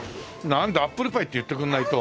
なんだアップルパイって言ってくれないと。